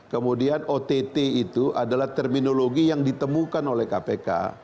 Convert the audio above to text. kemudian ott itu adalah terminologi yang ditemukan oleh kpk